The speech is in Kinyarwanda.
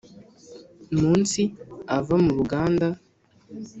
Umunsi ava mu ruganda